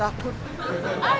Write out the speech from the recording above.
ayo suruh tahu